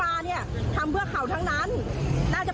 คุณผู้ชมคุณผู้ชมคุณผู้ชม